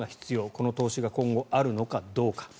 この投資が今後あるのかどうか。